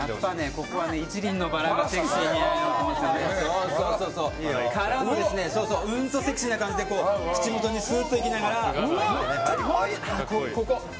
ここは一輪のバラがね。からの、うんとセクシーな感じで口元にすっといきながら。